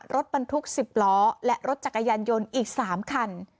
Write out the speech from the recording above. รถบรรทุก๑๐ล้อและรถจักรยานยนต์อีก๓คัน